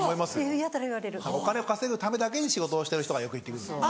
お金を稼ぐためだけに仕事をしてる人がよく言って来るんですよ。